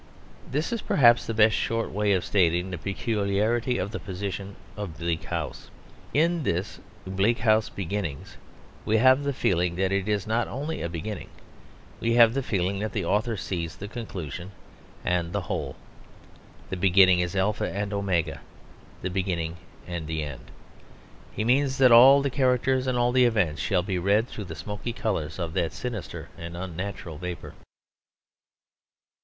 This is perhaps the best short way of stating the peculiarity of the position of Bleak House. In this Bleak House beginning we have the feeling that it is not only a beginning; we have the feeling that the author sees the conclusion and the whole. The beginning is alpha and omega: the beginning and the end. He means that all the characters and all the events shall be read through the smoky colours of that sinister and unnatural vapour.